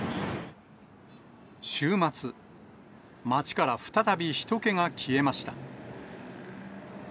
週末、街から再びひと気が消えました。